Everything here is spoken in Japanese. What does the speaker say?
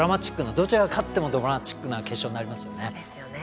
どちらが勝ってもドラマチックな決勝になりますよね。